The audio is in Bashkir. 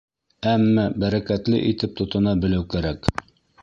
Әммә бәрәкәтле итеп тотона белеү кәрәк.